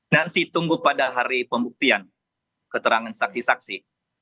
nanti tunggu pada hari pembuktian keterangan saksi saksi